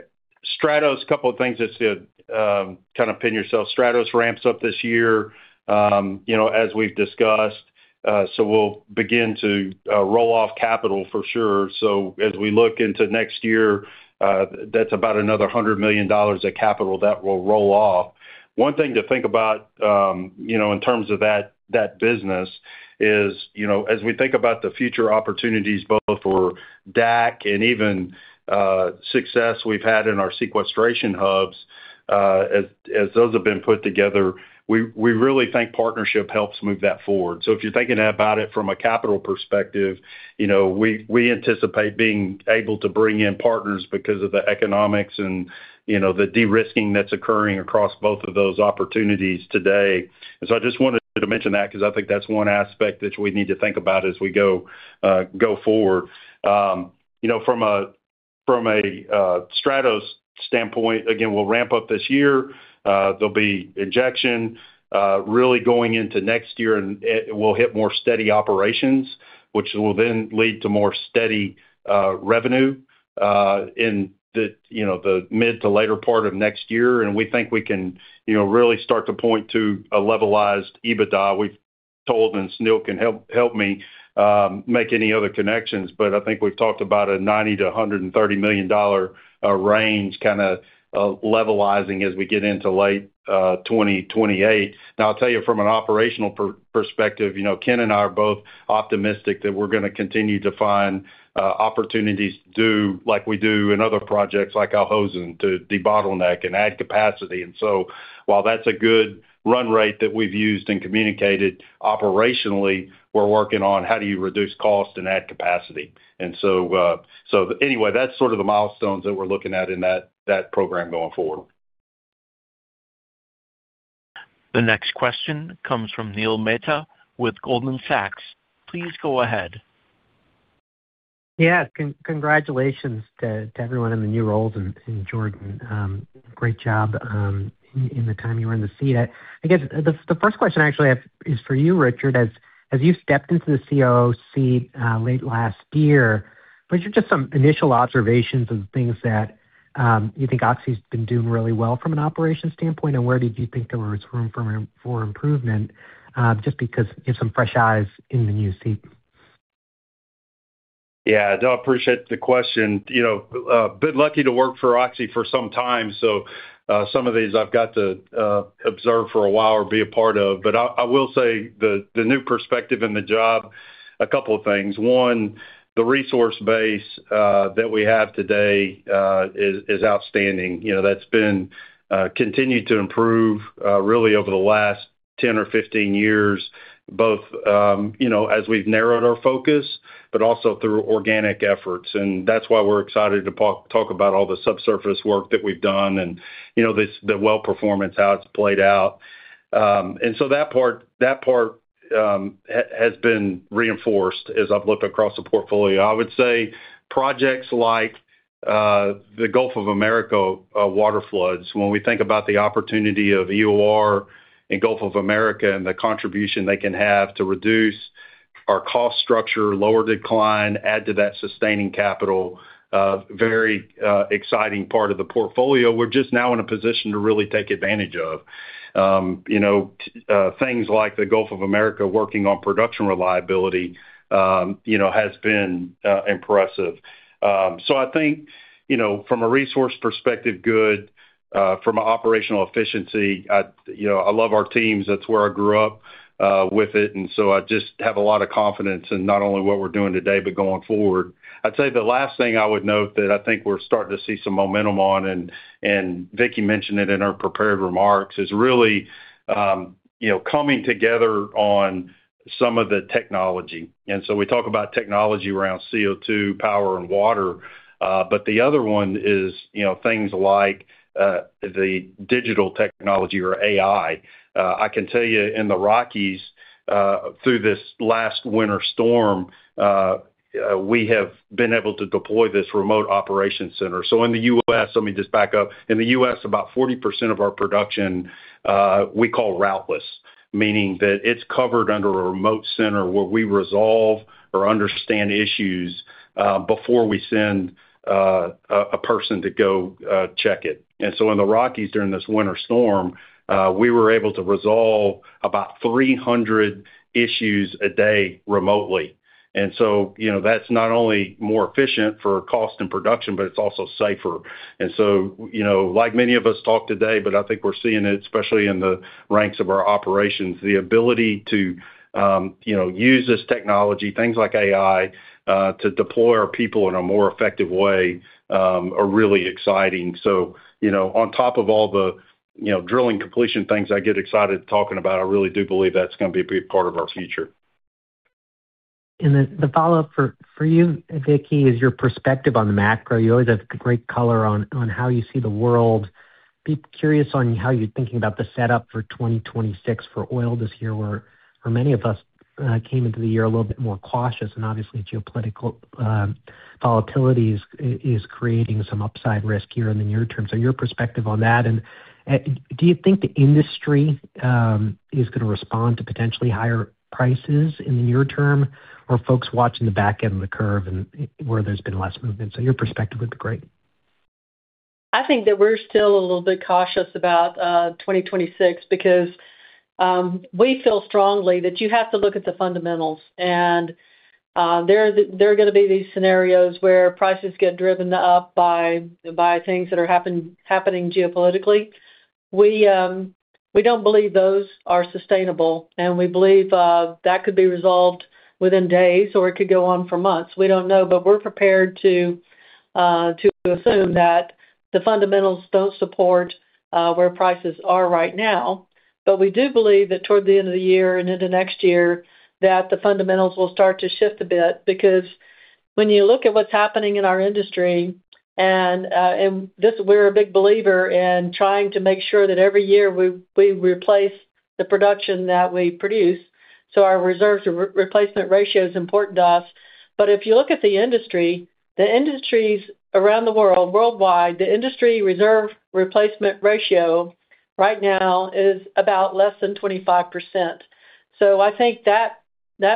Stratos, a couple of things that's kind of pin yourself. Stratos ramps up this year, you know, as we've discussed, so we'll begin to roll off capital for sure. So as we look into next year, that's about another $100 million of capital that will roll off. One thing to think about, you know, in terms of that, that business is, you know, as we think about the future opportunities, both for DAC and even success we've had in our sequestration hubs, as those have been put together, we really think partnership helps move that forward. So if you're thinking about it from a capital perspective, you know, we anticipate being able to bring in partners because of the economics and, you know, the de-risking that's occurring across both of those opportunities today. And so I just wanted to mention that because I think that's one aspect which we need to think about as we go forward. You know, from a Stratos standpoint, again, we'll ramp up this year. There'll be injection really going into next year, and it will hit more steady operations, which will then lead to more steady revenue in the, you know, the mid to later part of next year. And we think we can, you know, really start to point to a levelized EBITDA. We've told, and Sunil can help me make any other connections, but I think we've talked about a $90 million-$130 million range, kind of levelizing as we get into late 2028. Now, I'll tell you from an operational perspective, you know, Ken and I are both optimistic that we're gonna continue to find opportunities to do like we do in other projects, like Al Hosn, to debottleneck and add capacity. And so while that's a good run rate that we've used and communicated operationally, we're working on how do you reduce cost and add capacity. And so anyway, that's sort of the milestones that we're looking at in that program going forward. The next question comes from Neil Mehta with Goldman Sachs. Please go ahead. Yeah, congratulations to everyone in the new roles, and Jordan, great job in the time you were in the seat. I guess the first question I actually have is for you, Richard. As you stepped into the COO seat late last year, what are just some initial observations of things that you think Oxy's been doing really well from an operations standpoint, and where did you think there was room for improvement just because you have some fresh eyes in the new seat? Yeah, I appreciate the question. You know, I've been lucky to work for Oxy for some time, so some of these I've got to observe for a while or be a part of. I will say the new perspective in the job, a couple of things. One, the resource base that we have today is outstanding. You know, that's been continued to improve really over the last 10 or 15 years, both, you know, as we've narrowed our focus but also through organic efforts. That's why we're excited to talk about all the subsurface work that we've done and, you know, the well performance, how it's played out. That part has been reinforced as I've looked across the portfolio. I would say projects like the Gulf of America waterfloods. When we think about the opportunity of EOR in Gulf of America and the contribution they can have to reduce our cost structure, lower decline, add to that sustaining capital, very exciting part of the portfolio. We're just now in a position to really take advantage of, you know, things like the Gulf of America working on production reliability, you know, has been impressive. So I think, you know, from a resource perspective, good. From an operational efficiency, I, you know, I love our teams. That's where I grew up with it, and so I just have a lot of confidence in not only what we're doing today, but going forward. I'd say the last thing I would note that I think we're starting to see some momentum on, and Vicki mentioned it in her prepared remarks, is really, you know, coming together on some of the technology. And so we talk about technology around CO2, power, and water, but the other one is, you know, things like the digital technology or AI. I can tell you in the Rockies, through this last winter storm, we have been able to deploy this remote operation center. So in the U.S.... Let me just back up. In the U.S., about 40% of our production we call routeless, meaning that it's covered under a remote center where we resolve or understand issues before we send a person to go check it. And so in the Rockies, during this winter storm, we were able to resolve about 300 issues a day remotely. And so, you know, that's not only more efficient for cost and production, but it's also safer. And so, you know, like many of us talked today, but I think we're seeing it, especially in the ranks of our operations, the ability to, you know, use this technology, things like AI, to deploy our people in a more effective way, are really exciting. So, you know, on top of all the, you know, drilling completion things I get excited talking about, I really do believe that's gonna be a big part of our future. And then the follow-up for you, Vicki, is your perspective on the macro. You always have great color on how you see the world. Be curious on how you're thinking about the setup for 2026 for oil this year, where for many of us came into the year a little bit more cautious, and obviously geopolitical volatility is creating some upside risk here in the near term. So your perspective on that, and do you think the industry is gonna respond to potentially higher prices in the near term, or are folks watching the back end of the curve and where there's been less movement? So your perspective would be great. I think that we're still a little bit cautious about 2026 because we feel strongly that you have to look at the fundamentals. And there are gonna be these scenarios where prices get driven up by things that are happening geopolitically. We don't believe those are sustainable, and we believe that could be resolved within days, or it could go on for months. We don't know, but we're prepared to assume that the fundamentals don't support where prices are right now. But we do believe that toward the end of the year and into next year, that the fundamentals will start to shift a bit. Because when you look at what's happening in our industry, and this, we're a big believer in trying to make sure that every year we replace the production that we produce, so our reserves replacement ratio is important to us. But if you look at the industry, the industries around the world, worldwide, the industry reserve replacement ratio right now is about less than 25%. So I think that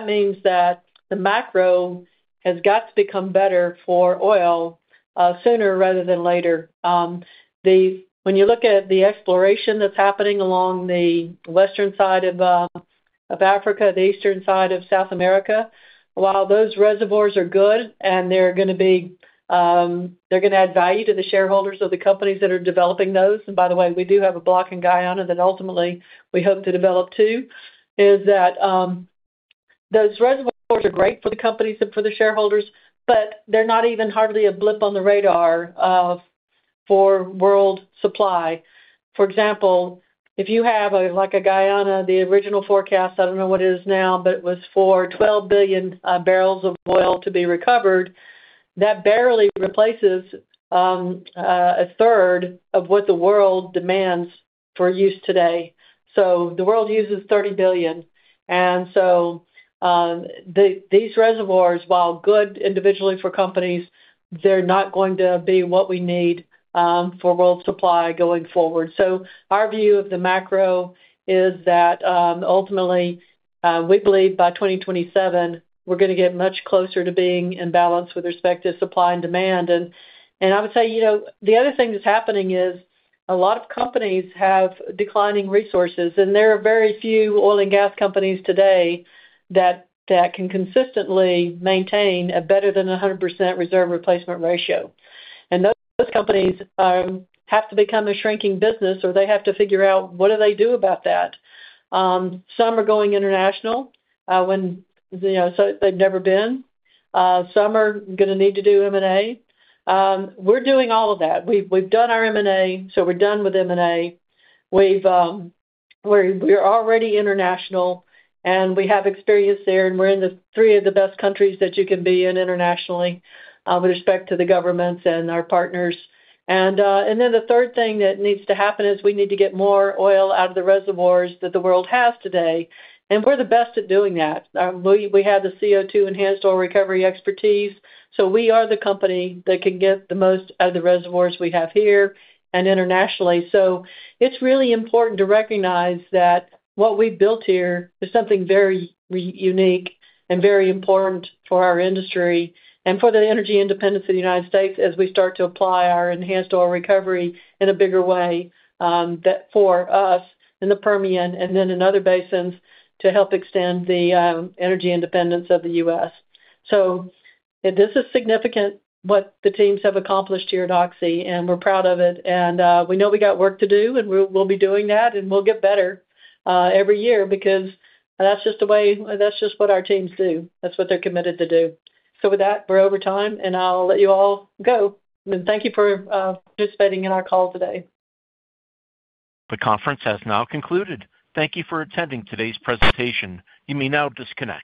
means that the macro has got to become better for oil sooner rather than later. When you look at the exploration that's happening along the western side of Africa, the eastern side of South America, while those reservoirs are good and they're gonna be, they're gonna add value to the shareholders of the companies that are developing those, and by the way, we do have a block in Guyana that ultimately we hope to develop, too. Those reservoirs are great for the companies and for the shareholders, but they're not even hardly a blip on the radar for world supply. For example, if you have, like a Guyana, the original forecast, I don't know what it is now, but it was for 12 billion barrels of oil to be recovered, that barely replaces a third of what the world demands for use today. So the world uses 30 billion, and so, the these reservoirs, while good individually for companies, they're not going to be what we need, for world supply going forward. So our view of the macro is that, ultimately, we believe by 2027, we're gonna get much closer to being in balance with respect to supply and demand. And I would say, you know, the other thing that's happening is a lot of companies have declining resources, and there are very few oil and gas companies today that can consistently maintain a better than 100% reserve replacement ratio. And those companies, have to become a shrinking business, or they have to figure out what do they do about that. Some are going international, when, you know, so they've never been. Some are gonna need to do M&A. We're doing all of that. We've done our M&A, so we're done with M&A. We're already international, and we have experience there, and we're in the three of the best countries that you can be in internationally, with respect to the governments and our partners. And then the third thing that needs to happen is we need to get more oil out of the reservoirs that the world has today, and we're the best at doing that. We have the CO2 enhanced oil recovery expertise, so we are the company that can get the most out of the reservoirs we have here and internationally. So it's really important to recognize that what we've built here is something very unique and very important for our industry and for the energy independence of the United States as we start to apply our enhanced oil recovery in a bigger way, that for us in the Permian and then in other basins, to help extend the energy independence of the U.S. So this is significant, what the teams have accomplished here at Oxy, and we're proud of it. And we know we got work to do, and we'll be doing that, and we'll get better every year, because that's just the way that's just what our teams do. That's what they're committed to do. So with that, we're over time, and I'll let you all go. And thank you for participating in our call today. The conference has now concluded. Thank you for attending today's presentation. You may now disconnect.